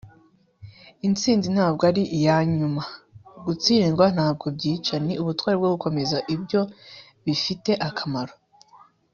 intsinzi ntabwo ari iyanyuma, gutsindwa ntabwo byica ni ubutwari bwo gukomeza ibyo bifite akamaro. - winston churchill